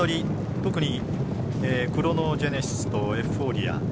特に、クロノジェネシスとエフフォーリア。